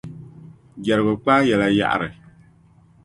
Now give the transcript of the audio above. Jɛrigu kpaai yɛla yaɣiri.